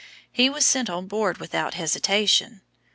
He was sent on board without hesitation.